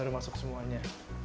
baru masuk semuanya